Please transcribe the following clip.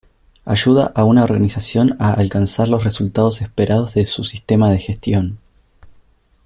Ayuda a una organización a alcanzar los resultados esperados de su sistema de gestión.